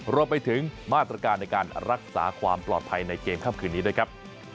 รวมไปถึงมาตรการในการรักษาความปลอดภัยในเกมค่ำคืนนี้ด้วยครับ